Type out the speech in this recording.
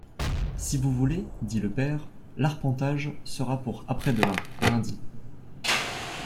Si vous voulez, dit le père, l’arpentage sera pour après-demain, lundi.